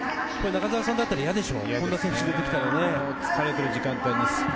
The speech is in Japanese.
中澤さんだったら嫌でしょ？